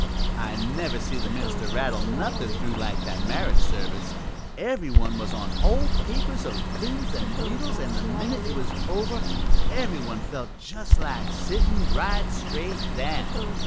"I never see the minister rattle nothin' through like that marriage service. Every one was on whole papers of pins an' needles, an' the minute it was over every one just felt like sittin' right straight down.